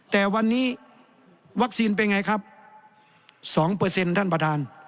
แต่วันนี้วัคซีนเป็นไงครับ๒เปอร์เซ็นต์ท่านประธาน